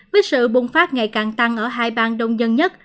với sự bùng phát ngày càng tăng ở hai bang đông dân nhất